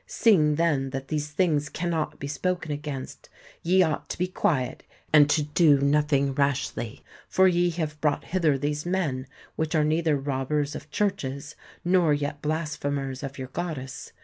Seeing then that these things cannot be spoken against, ye ought to be quiet, and to do nothing rashly. For ye have brought hither these men, which are neither robbers THE TEMPLE OF DIANA 121 of churches, nor yet blasphemers of your goddess